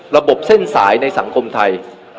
ระบบเส้นสายในสังคมไทย